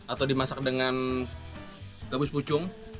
atau dimasak dengan gabus pucung